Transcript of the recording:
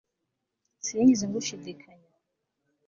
Sinigeze ngushidikanya